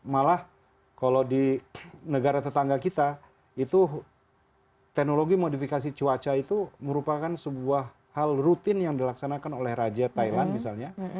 malah kalau di negara tetangga kita itu teknologi modifikasi cuaca itu merupakan sebuah hal rutin yang dilaksanakan oleh raja thailand misalnya